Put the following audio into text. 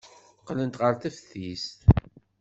Qqlent ɣer teftist.